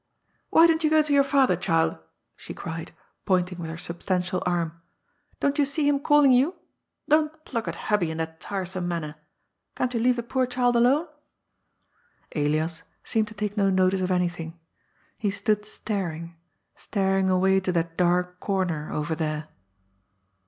"Why don't you go to your father, child?" she cried, pointing with her substantial arm. " Don't you see him calling you? Don't pluck at Hubby in that tiresome manner 1 Can't you leave the poor child alone ?'* Elias seemed to take no notice of anything. He stood staring, staring away to that dark comer — oyer there.